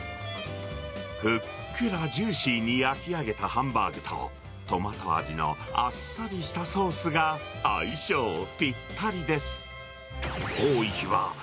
ふっくらジューシーに焼き上げたハンバーグと、トマト味のあっさりしたソースが相性ぴったりです。